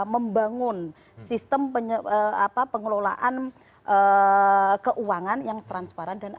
membangun sistem pengelolaan keuangan yang transparan dan akur